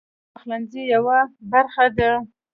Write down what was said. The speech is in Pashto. اوبه د پخلنځي یوه برخه ده.